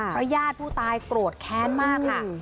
ญาติผู้ตายโกรธแค้นมากค่ะ